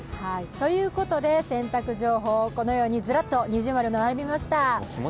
ということで洗濯情報、このようにずらっと◎並びました。